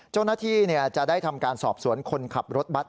เจ้าหน้าที่จะได้ทำการสอบสวนคนขับรถบัตร